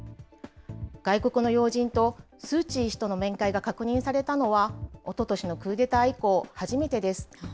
外国の要人とスー・チー氏との面会が確認されたのは、おととしのクーデター以降、初めてです。